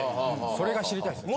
・それが知りたいですね・